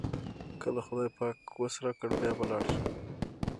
کله خدای پاک وس راکړ بیا به لاړ شم.